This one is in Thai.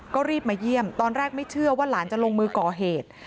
ก็รีบมาเยี่ยมตอนแรกไม่เชื่อว่าหลานจะลงมือก่อเหตุ